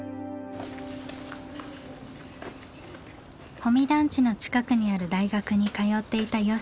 保見団地の近くにある大学に通っていたよっしー。